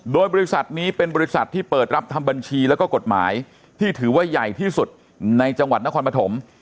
โดยบริษัทนี้เป็นบริษัทที่เปิดรับทำบัญชีแล้วก็กฎหมายที่ถือว่าใหญ่ที่สุดในจังหวัดนครปฐม